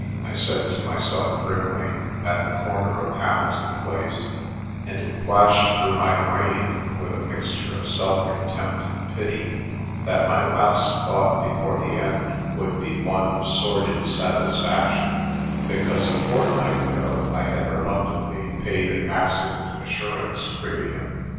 I said to myself grimly, at the comer of Hamilton Place, and it flashed through my brain, with a mixture of self contempt and pity, that my last thought before the end would be one of sordid satisfaction because a fortnight ago I had reluctantly paid an accident assurance premium.